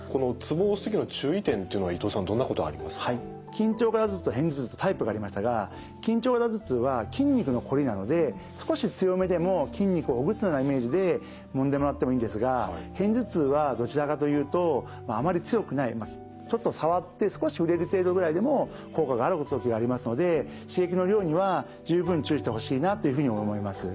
緊張型頭痛と片頭痛とタイプがありましたが緊張型頭痛は筋肉のこりなので少し強めでも筋肉をほぐすようなイメージでもんでもらってもいいんですが片頭痛はどちらかというとあまり強くないちょっと触って少し触れる程度ぐらいでも効果がある時がありますので刺激の量には十分注意してほしいなというふうに思います。